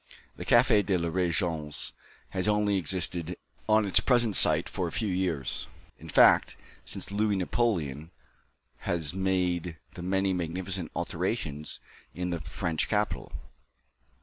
The Café de la Régence has only existed on its present site for a few years; in fact, since Louis Napoleon has made the many magnificent alterations in the French capital.